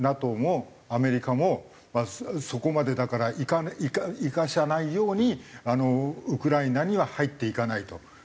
ＮＡＴＯもアメリカもそこまでだからいかさないようにウクライナには入っていかないと。